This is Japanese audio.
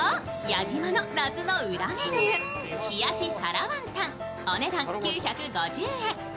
やじ満の夏の裏メニュー冷やし皿ワンタン、お値段９５０円。